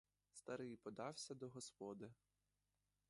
Старий подався до господи.